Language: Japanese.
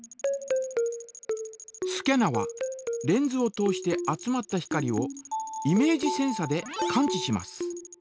スキャナはレンズを通して集まった光をイメージセンサで感知します。